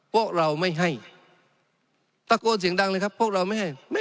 พวกเราไม่ให้ตะโกนเสียงดังเลยครับพวกเราไม่ให้ไม่